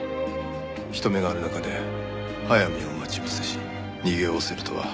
人目がある中で速水を待ち伏せし逃げおおせるとは。